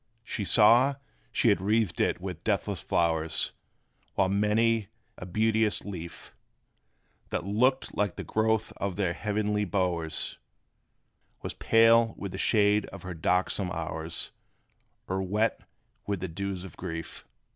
They saw she had wreathed it with deathless flowers; While many a beauteous leaf, That looked like the growth of their heavenly bowers, Was pale with the shade of her darksome hours, Or wet with the dews of grief.